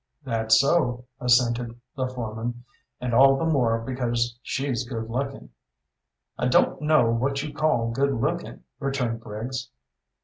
"That's so," assented the foreman, "and all the more because she's good looking." "I don't know what you call good looking," returned Briggs.